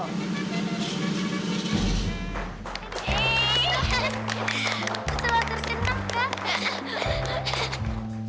pesulap kenamaan kak